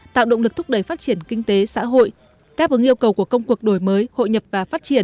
tạo động lực thúc đẩy phát triển kinh tế xã hội đáp ứng yêu cầu của công cuộc đổi mới hội nhập và phát triển